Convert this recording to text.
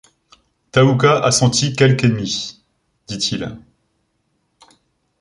Thaouka a senti quelque ennemi, » dit-il.